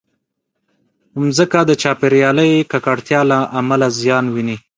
مځکه د چاپېریالي ککړتیا له امله زیان ویني.